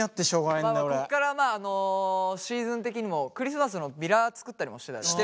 まあまあまあこっからシーズン的にもクリスマスのビラ作ったりもしてたじゃない。